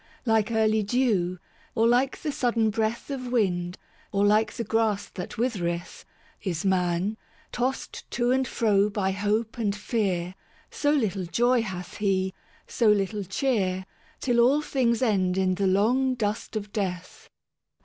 Like early dew, or like the sudden breath Of wind, or like the grass that withereth, Is man, tossed to and fro by hope and fear: So little joy hath he, so little cheer, Till all things end in the long dust of death.